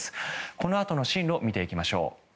このあとの進路見ていきましょう。